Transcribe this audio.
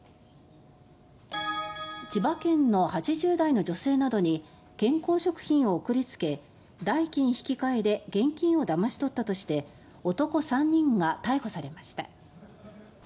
千葉県の８０代の女性などに健康食品を送り付け代金引換で現金をだまし取ったとして男３人が逮捕されました。